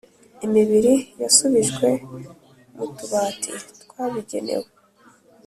Imibiri yasubijwe mu tubati twabigenewe